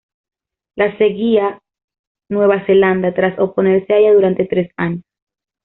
Le seguía Nueva Zelanda, tras oponerse a ella durante tres años.